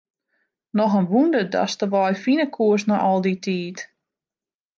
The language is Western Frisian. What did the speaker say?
Noch in wûnder datst de wei fine koest nei al dy tiid.